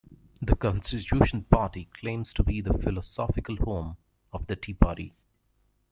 The Constitution Party claims to be the "philosophical home" of the Tea Party.